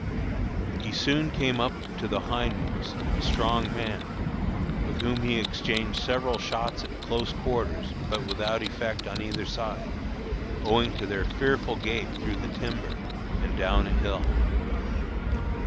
He soon came up to the hindmost, a strong man, with whom he exchanged several shots at close quarters, but without effect on either side, owing to their fearful gait through the timber and down a hill.